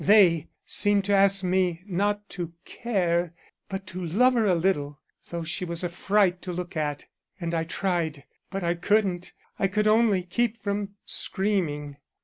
They seemed to ask me not to care, but to love her a little though she was a fright to look at, and I tried but I couldn't, I could only keep from screaming.